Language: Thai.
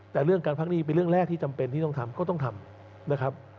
แต่เรื่องการพักหนี้เป็นเรื่องแรกที่จำเป็นที่ต้องทำก็ต้องทำนะครับ